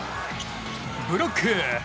ブロック！